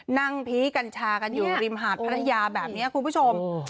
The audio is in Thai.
ผีกัญชากันอยู่ริมหาดพัทยาแบบนี้คุณผู้ชม